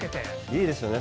いいですよね。